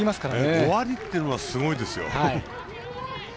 ５割っていうのはすごいですよ。